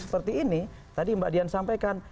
seperti ini tadi mbak dian sampaikan